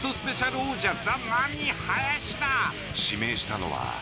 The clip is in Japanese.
指名したのは。